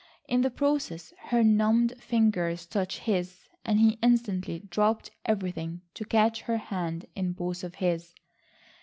In the process her numbed fingers touched his, and he instantly dropped everything to catch her hand in both of his.